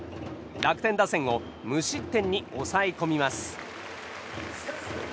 楽天打線を無失点に抑え込みます。